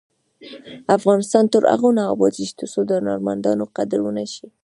افغانستان تر هغو نه ابادیږي، ترڅو د هنرمندانو قدر ونشي.